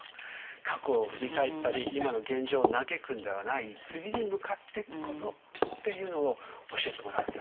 過去を振り返ったり今の現状を嘆くんではない次に向かってくことっていうのを教えてもらったような気がしました。